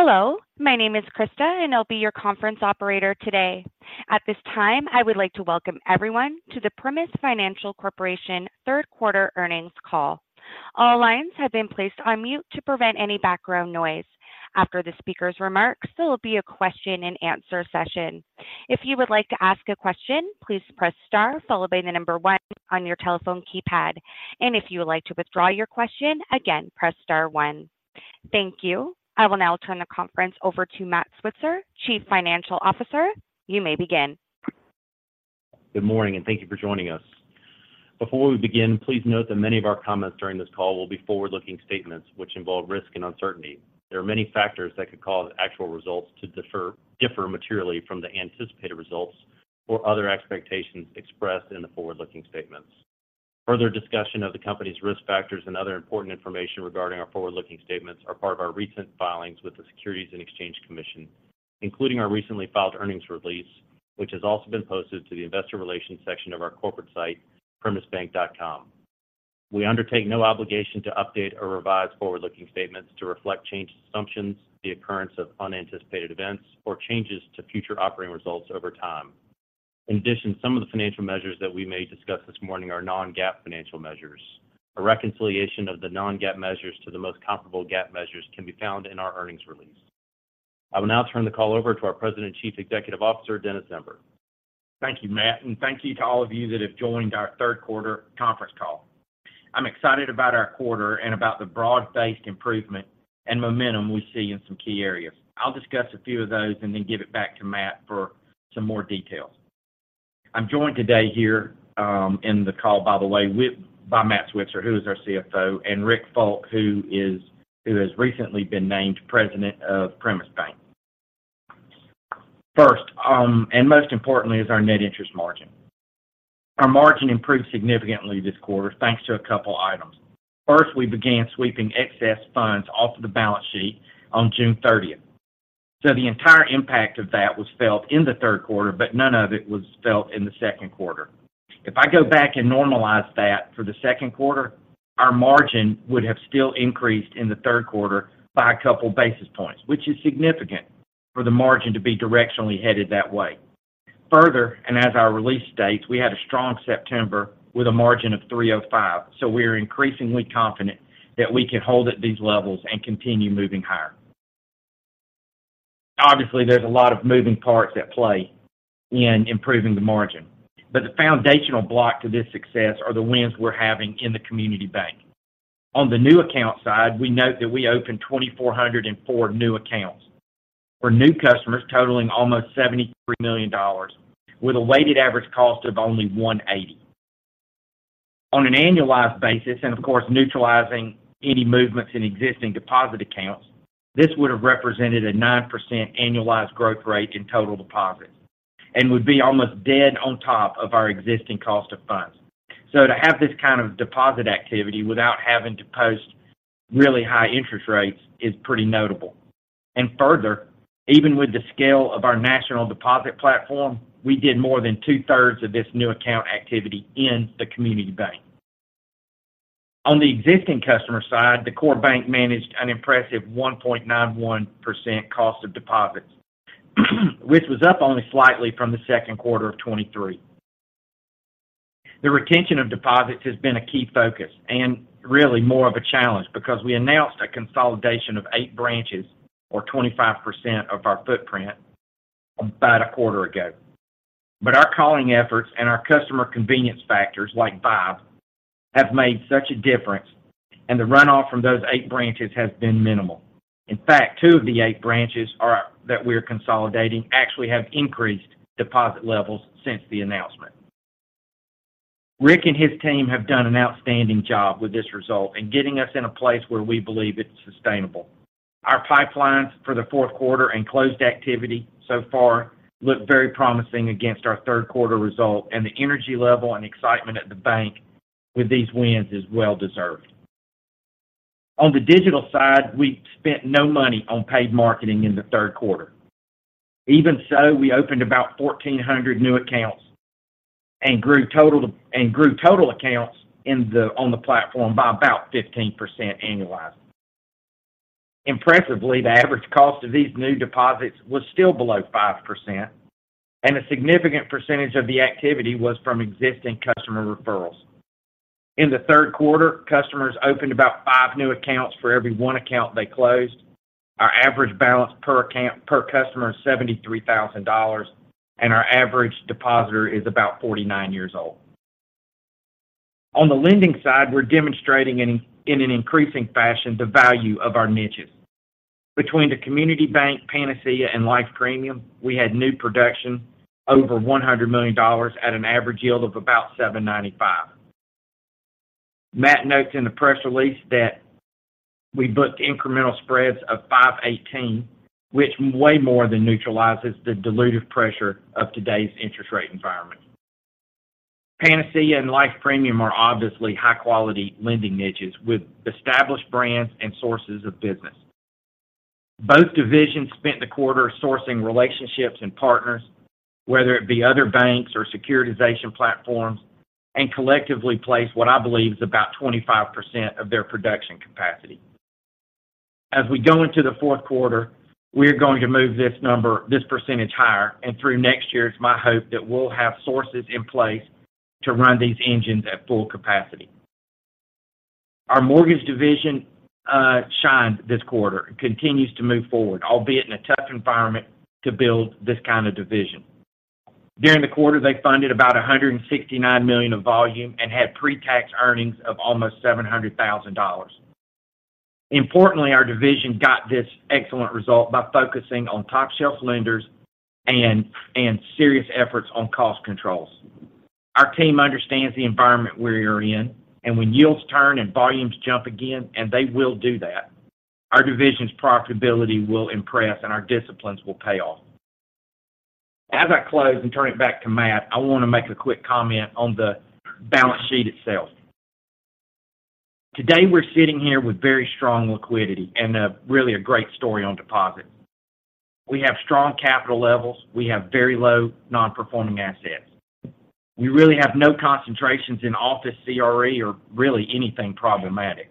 Hello, my name is Krista, and I'll be your conference operator today. At this time, I would like to welcome everyone to the Primis Financial Corporation third quarter earnings call. All lines have been placed on mute to prevent any background noise. After the speaker's remarks, there will be a question and answer session. If you would like to ask a question, please press star followed by the number one on your telephone keypad. If you would like to withdraw your question, again, press star one. Thank you. I will now turn the conference over to Matt Switzer, Chief Financial Officer. You may begin. Good morning, and thank you for joining us. Before we begin, please note that many of our comments during this call will be forward-looking statements, which involve risk and uncertainty. There are many factors that could cause actual results to differ materially from the anticipated results or other expectations expressed in the forward-looking statements. Further discussion of the company's risk factors and other important information regarding our forward-looking statements are part of our recent filings with the Securities and Exchange Commission, including our recently filed earnings release, which has also been posted to the Investor Relations section of our corporate site, primisbank.com. We undertake no obligation to update or revise forward-looking statements to reflect changed assumptions, the occurrence of unanticipated events, or changes to future operating results over time. In addition, some of the financial measures that we may discuss this morning are non-GAAP financial measures. A reconciliation of the non-GAAP measures to the most comparable GAAP measures can be found in our earnings release. I will now turn the call over to our President and Chief Executive Officer, Dennis Zember. Thank you, Matt, and thank you to all of you that have joined our third quarter conference call. I'm excited about our quarter and about the broad-based improvement and momentum we see in some key areas. I'll discuss a few of those and then give it back to Matt for some more details. I'm joined today here in the call, by the way, with Matt Switzer, who is our CFO, and Rick Fulk, who has recently been named President of Primis Bank. First, and most importantly, is our net interest margin. Our margin improved significantly this quarter, thanks to a couple items. First, we began sweeping excess funds off of the balance sheet on June thirtieth. So the entire impact of that was felt in the third quarter, but none of it was felt in the second quarter. If I go back and normalize that for the second quarter, our margin would have still increased in the third quarter by a couple basis points, which is significant for the margin to be directionally headed that way. Further, and as our release states, we had a strong September with a margin of 305, so we are increasingly confident that we can hold at these levels and continue moving higher. Obviously, there's a lot of moving parts at play in improving the margin, but the foundational block to this success are the wins we're having in the community bank. On the new account side, we note that we opened 2,404 new accounts for new customers, totaling almost $73 million, with a weighted average cost of only 180. On an annualized basis, and of course, neutralizing any movements in existing deposit accounts, this would have represented a 9% annualized growth rate in total deposits and would be almost dead on top of our existing cost of funds. So to have this kind of deposit activity without having to post really high interest rates is pretty notable. Further, even with the scale of our national deposit platform, we did more than two-thirds of this new account activity in the community bank. On the existing customer side, the core bank managed an impressive 1.91% cost of deposits, which was up only slightly from the second quarter of 2023. The retention of deposits has been a key focus and really more of a challenge because we announced a consolidation of 8 branches or 25% of our footprint about a quarter ago. Our calling efforts and our customer convenience factors, like V1BE, have made such a difference, and the runoff from those eight branches has been minimal. In fact, two of the eight branches that we are consolidating actually have increased deposit levels since the announcement. Rick and his team have done an outstanding job with this result and getting us in a place where we believe it's sustainable. Our pipelines for the fourth quarter and closed activity so far look very promising against our third quarter result, and the energy level and excitement at the bank with these wins is well-deserved. On the digital side, we spent no money on paid marketing in the third quarter. Even so, we opened about 1,400 new accounts and grew total accounts on the platform by about 15% annualized. Impressively, the average cost of these new deposits was still below 5%, and a significant percentage of the activity was from existing customer referrals. In the third quarter, customers opened about five new accounts for every one account they closed. Our average balance per account, per customer is $73,000, and our average depositor is about 49 years old. On the lending side, we're demonstrating in, in an increasing fashion the value of our niches. Between the community bank, Panacea, and Life Premium, we had new production over $100 million at an average yield of about 7.95%. Matt notes in the press release that we booked incremental spreads of 5.18%, which way more than neutralizes the dilutive pressure of today's interest rate environment. Panacea and Life Premium are obviously high-quality lending niches with established brands and sources of business. Both divisions spent the quarter sourcing relationships and partners, whether it be other banks or securitization platforms, and collectively place what I believe is about 25% of their production capacity. As we go into the fourth quarter, we are going to move this number, this percentage higher, and through next year, it's my hope that we'll have sources in place to run these engines at full capacity. Our mortgage division shined this quarter and continues to move forward, albeit in a tough environment to build this kind of division. During the quarter, they funded about $169 million of volume and had pre-tax earnings of almost $700,000. Importantly, our division got this excellent result by focusing on top-shelf lenders and serious efforts on cost controls. Our team understands the environment we are in, and when yields turn and volumes jump again, and they will do that, our division's profitability will impress and our disciplines will pay off. As I close and turn it back to Matt, I want to make a quick comment on the balance sheet itself. Today, we're sitting here with very strong liquidity and really a great story on deposits. We have strong capital levels. We have very low non-performing assets. We really have no concentrations in office CRE or really anything problematic.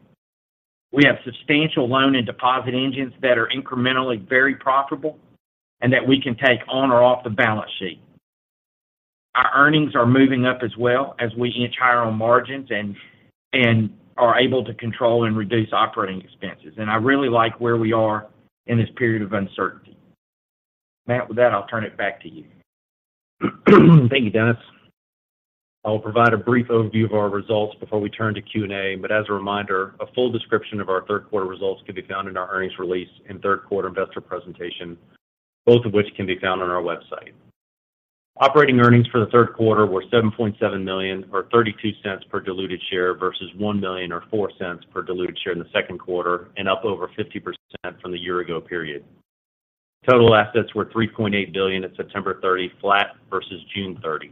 We have substantial loan and deposit engines that are incrementally very profitable and that we can take on or off the balance sheet. Our earnings are moving up as well as we inch higher on margins and are able to control and reduce operating expenses. And I really like where we are in this period of uncertainty. Matt, with that, I'll turn it back to you. Thank you, Dennis. I will provide a brief overview of our results before we turn to Q&A. As a reminder, a full description of our third quarter results can be found in our earnings release and third quarter investor presentation, both of which can be found on our website. Operating earnings for the third quarter were $7.7 million, or $0.32 per diluted share, versus $1 million or $0.04 per diluted share in the second quarter and up over 50% from the year-ago period. Total assets were $3.8 billion at September 30, flat versus June 30.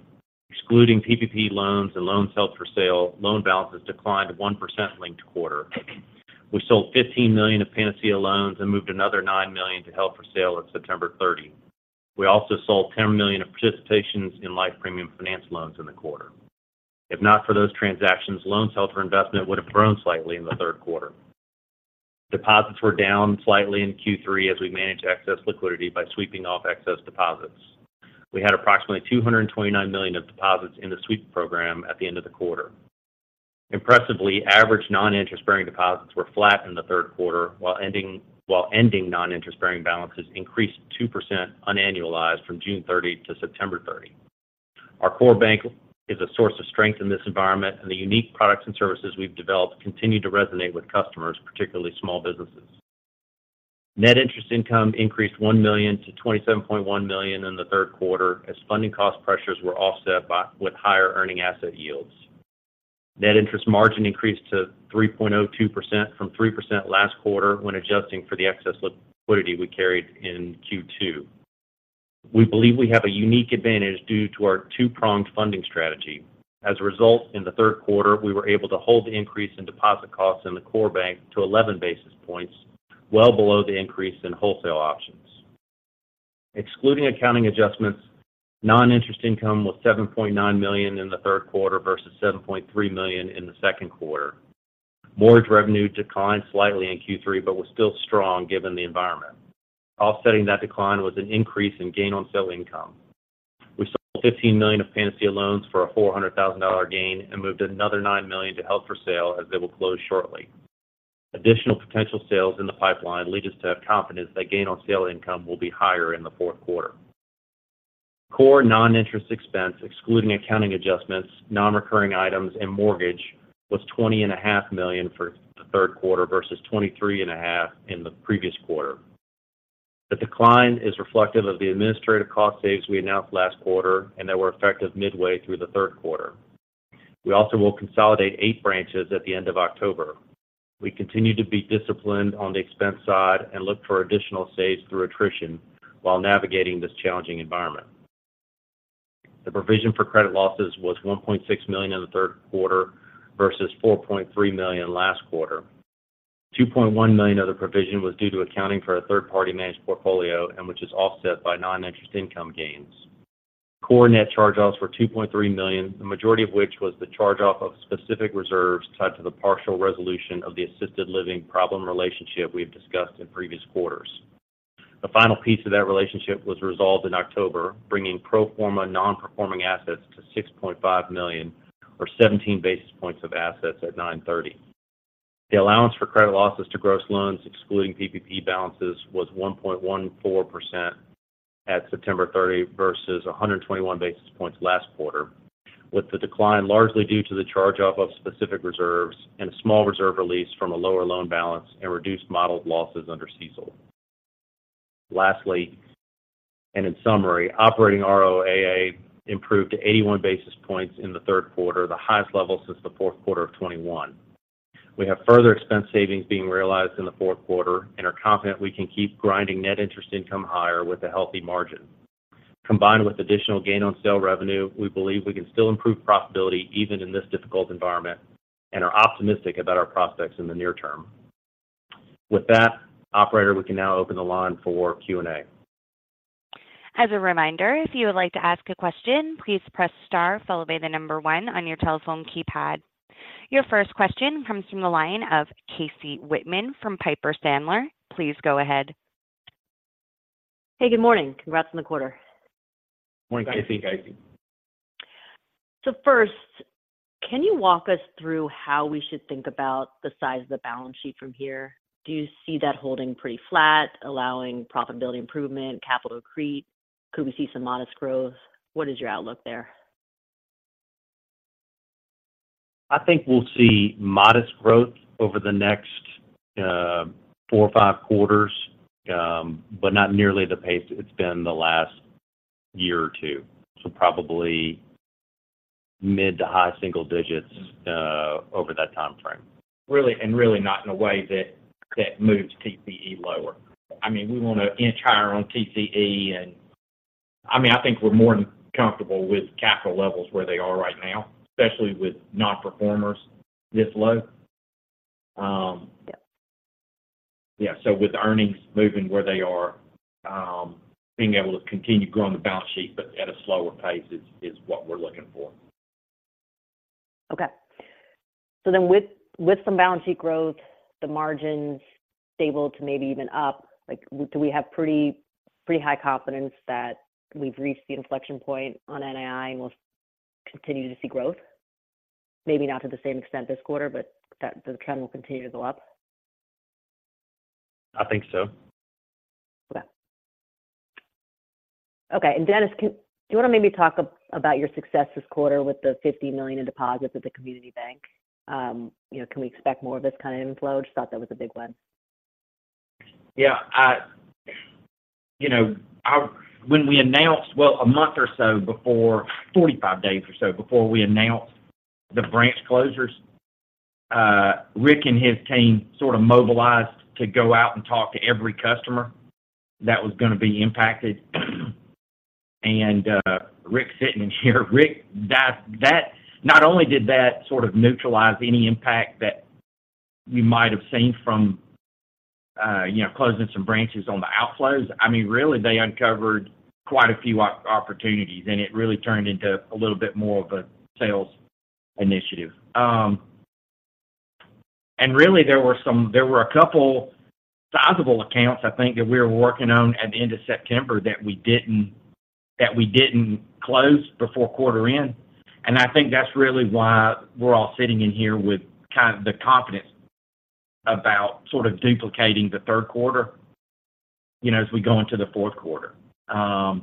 Excluding PPP loans and loans held for sale, loan balances declined 1% linked quarter. We sold $15 million of Panacea loans and moved another $9 million to held for sale on September 30. We also sold $10 million of participations in Life Premium Finance loans in the quarter. If not for those transactions, loans held for investment would have grown slightly in the third quarter. Deposits were down slightly in Q3 as we managed excess liquidity by sweeping off excess deposits. We had approximately $229 million of deposits in the sweep program at the end of the quarter. Impressively, average non-interest-bearing deposits were flat in the third quarter, while ending non-interest-bearing balances increased 2% unannualized from June 30 to September 30. Our core bank is a source of strength in this environment, and the unique products and services we've developed continue to resonate with customers, particularly small businesses. Net interest income increased $1 million-$27.1 million in the third quarter, as funding cost pressures were offset by, with higher earning asset yields. Net interest margin increased to 3.02% from 3% last quarter when adjusting for the excess liquidity we carried in Q2. We believe we have a unique advantage due to our two-pronged funding strategy. As a result, in the third quarter, we were able to hold the increase in deposit costs in the core bank to 11 basis points, well below the increase in wholesale options. Excluding accounting adjustments, non-interest income was $7.9 million in the third quarter versus $7.3 million in the second quarter. Mortgage revenue declined slightly in Q3, but was still strong given the environment. Offsetting that decline was an increase in gain on sale income. We sold $15 million of Panacea loans for a $400,000 gain and moved another $9 million to held for sale, as they will close shortly. Additional potential sales in the pipeline lead us to have confidence that gain on sale income will be higher in the fourth quarter. Core non-interest expense, excluding accounting adjustments, non-recurring items, and mortgage, was $20.5 million for the third quarter versus $23.5 million in the previous quarter. The decline is reflective of the administrative cost saves we announced last quarter and that were effective midway through the third quarter. We also will consolidate eight branches at the end of October. We continue to be disciplined on the expense side and look for additional saves through attrition while navigating this challenging environment. The provision for credit losses was $1.6 million in the third quarter versus $4.3 million last quarter. $2.1 million of the provision was due to accounting for a third-party managed portfolio and which is offset by non-interest income gains. Core net charge-offs were $2.3 million, the majority of which was the charge-off of specific reserves tied to the partial resolution of the assisted living problem relationship we've discussed in previous quarters. The final piece of that relationship was resolved in October, bringing pro forma non-performing assets to $6.5 million, or 17 basis points of assets at 9/30. The allowance for credit losses to gross loans, excluding PPP balances, was 1.14% at September 30 versus 121 basis points last quarter, with the decline largely due to the charge-off of specific reserves and a small reserve release from a lower loan balance and reduced modeled losses under CECL. Lastly, and in summary, operating ROAA improved to 81 basis points in the third quarter, the highest level since the fourth quarter of 2021. We have further expense savings being realized in the fourth quarter and are confident we can keep grinding net interest income higher with a healthy margin. Combined with additional gain on sale revenue, we believe we can still improve profitability even in this difficult environment and are optimistic about our prospects in the near term.... With that, operator, we can now open the line for Q&A. As a reminder, if you would like to ask a question, please press star, followed by the number one on your telephone keypad. Your first question comes from the line of Casey Whitman from Piper Sandler. Please go ahead. Hey, good morning. Congrats on the quarter. Morning, Casey. Thanks, Casey. So first, can you walk us through how we should think about the size of the balance sheet from here? Do you see that holding pretty flat, allowing profitability improvement, capital accrete? Could we see some modest growth? What is your outlook there? I think we'll see modest growth over the next four or five quarters, but not nearly the pace it's been the last year or two. So probably mid to high single digits over that time frame. Really, and really not in a way that moves TCE lower. I mean, we want to inch higher on TCE, and, I mean, I think we're more than comfortable with capital levels where they are right now, especially with non-performers this low. Yeah, so with earnings moving where they are, being able to continue growing the balance sheet but at a slower pace is what we're looking for. Okay. So then with some balance sheet growth, the margins stable to maybe even up, like, do we have pretty high confidence that we've reached the inflection point on NII, and we'll continue to see growth? Maybe not to the same extent this quarter, but that the trend will continue to go up. I think so. Okay. Okay, and Dennis, do you want to maybe talk about your success this quarter with the $50 million in deposits at the community bank? You know, can we expect more of this kind of inflow? Just thought that was a big one. Yeah, you know, I-- when we announced, well, a month or so before, 45 days or so before we announced the branch closures, Rick and his team sort of mobilized to go out and talk to every customer that was going to be impacted. And, Rick's sitting in here. Rick, that-- not only did that sort of neutralize any impact that we might have seen from, you know, closing some branches on the outflows, I mean, really, they uncovered quite a few opportunities, and it really turned into a little bit more of a sales initiative. And really, there were a couple sizable accounts, I think, that we were working on at the end of September that we didn't, that we didn't close before quarter end. And I think that's really why we're all sitting in here with kind of the confidence about sort of duplicating the third quarter, you know, as we go into the fourth quarter. So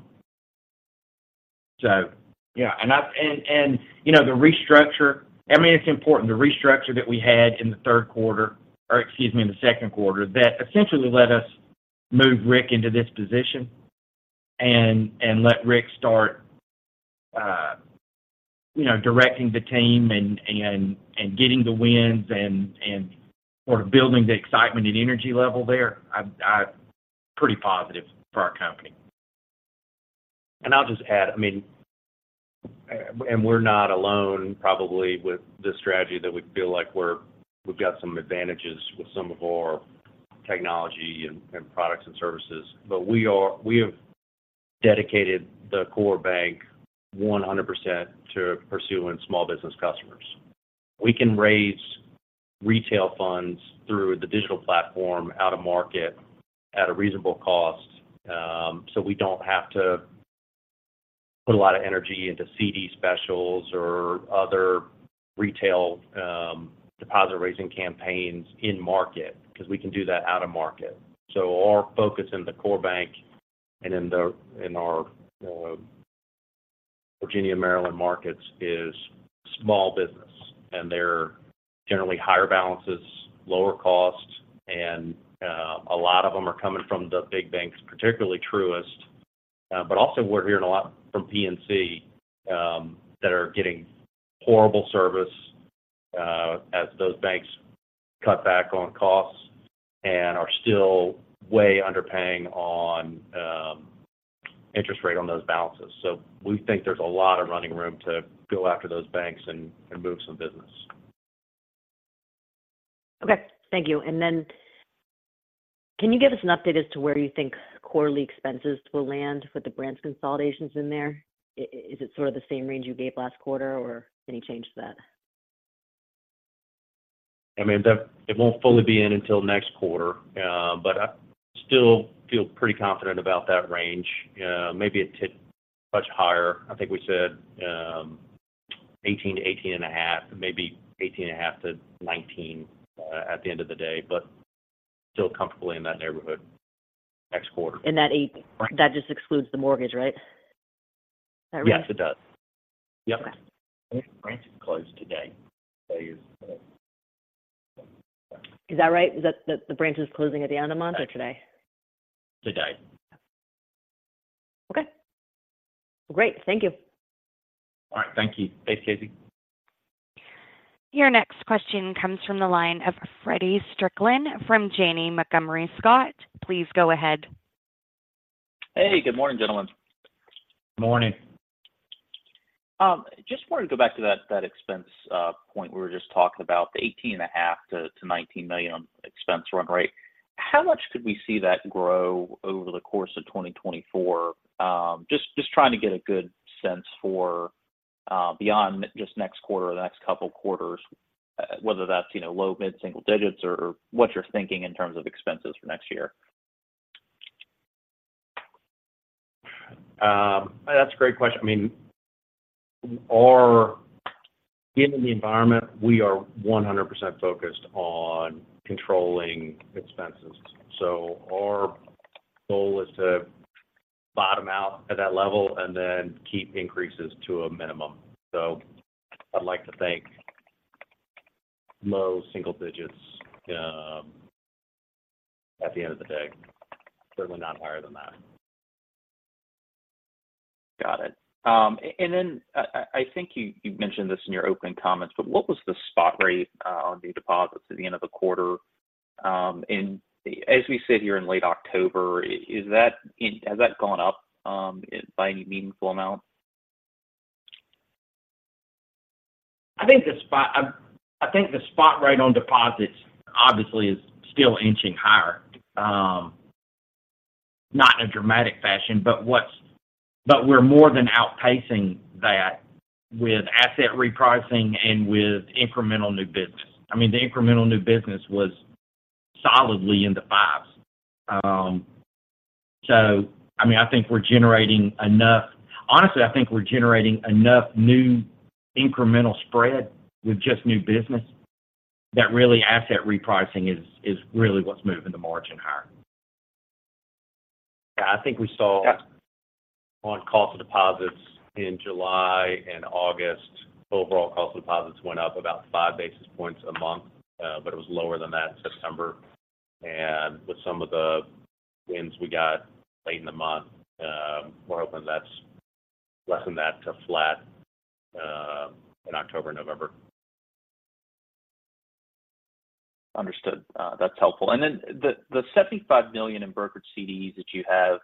yeah, and you know, the restructure, I mean, it's important, the restructure that we had in the third quarter, or excuse me, in the second quarter, that essentially let us move Rick into this position and let Rick start, you know, directing the team and getting the wins and sort of building the excitement and energy level there. I'm pretty positive for our company. And I'll just add, I mean, we're not alone, probably with this strategy that we feel like we've got some advantages with some of our technology and products and services. But we have dedicated the core bank 100% to pursuing small business customers. We can raise retail funds through the digital platform out of market at a reasonable cost, so we don't have to put a lot of energy into CD specials or other retail, deposit-raising campaigns in market, 'cause we can do that out of market. So our focus in the core bank and in our Virginia, Maryland markets is small business, and they're generally higher balances, lower costs, and a lot of them are coming from the big banks, particularly Truist. but also we're hearing a lot from PNC that are getting horrible service, as those banks cut back on costs and are still way underpaying on interest rate on those balances. So we think there's a lot of running room to go after those banks and move some business. Okay, thank you. And then can you give us an update as to where you think quarterly expenses will land with the branch consolidations in there? Is it sort of the same range you gave last quarter, or any change to that? I mean, that it won't fully be in until next quarter, but I still feel pretty confident about that range. Maybe a tick much higher. I think we said, 18-18.5, maybe 18.5-19, at the end of the day, but still comfortably in that neighborhood next quarter. That eight, that just excludes the mortgage, right? That right- Yes, it does. Yep. I think the branches close today. Today is the... Is that right? Is that the branches closing at the end of the month or today? Today. Okay. Great. Thank you. All right, thank you. Thanks, Casey. Your next question comes from the line of Feddie Strickland from Janney Montgomery Scott. Please go ahead. Hey, good morning, gentlemen. Morning. Just wanted to go back to that expense point we were just talking about, the $18.5 million-$19 million expense run rate. How much could we see that grow over the course of 2024? Just trying to get a good sense for, beyond just next quarter or the next couple quarters, whether that's, you know, low, mid-single digits or what you're thinking in terms of expenses for next year. That's a great question. I mean, given the environment, we are 100% focused on controlling expenses. So our goal is to bottom out at that level and then keep increases to a minimum. So I'd like to think low single digits, at the end of the day. Certainly not higher than that. Got it. And then, I think you mentioned this in your opening comments, but what was the spot rate on the deposits at the end of the quarter? And as we sit here in late October, has that gone up by any meaningful amount? I think the spot rate on deposits obviously is still inching higher. Not in a dramatic fashion, but we're more than outpacing that with asset repricing and with incremental new business. I mean, the incremental new business was solidly in the fives. So I mean, I think we're generating enough... Honestly, I think we're generating enough new incremental spread with just new business that really asset repricing is, is really what's moving the margin higher. Yeah, I think we saw -on cost of deposits in July and August. Overall cost of deposits went up about five basis points a month, but it was lower than that in September. And with some of the wins we got late in the month, we're hoping that's less than that to flat, in October and November. Understood. That's helpful. And then the, the $75 million in brokered CDs that you have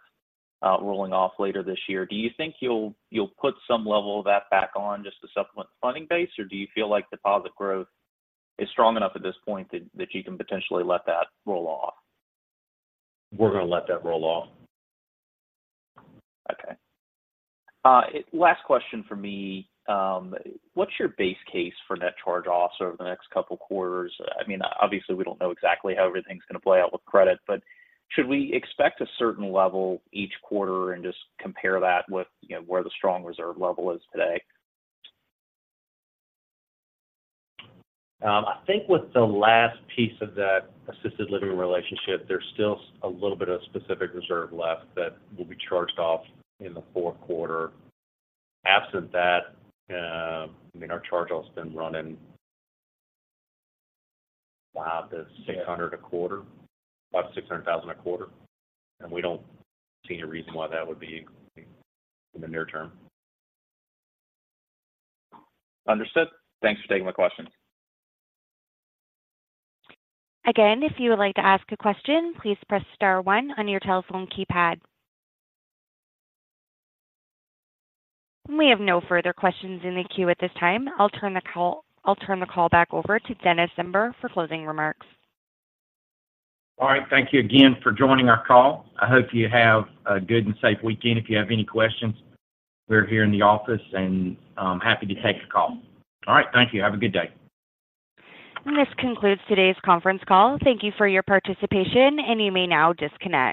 rolling off later this year, do you think you'll, you'll put some level of that back on just to supplement the funding base? Or do you feel like deposit growth is strong enough at this point that, that you can potentially let that roll off? We're going to let that roll off. Okay. Last question for me. What's your base case for net charge-offs over the next couple of quarters? I mean, obviously, we don't know exactly how everything's going to play out with credit, but should we expect a certain level each quarter and just compare that with, you know, where the strong reserve level is today? I think with the last piece of that assisted living relationship, there's still a little bit of specific reserve left that will be charged off in the fourth quarter. Absent that, I mean, our charge-off's been running about $600,000 a quarter, about $600,000 a quarter, and we don't see any reason why that would be in the near term. Understood. Thanks for taking my question. Again, if you would like to ask a question, please press star one on your telephone keypad. We have no further questions in the queue at this time. I'll turn the call back over to Dennis Zember for closing remarks. All right. Thank you again for joining our call. I hope you have a good and safe weekend. If you have any questions, we're here in the office, and happy to take your call. All right. Thank you. Have a good day. This concludes today's conference call. Thank you for your participation, and you may now disconnect.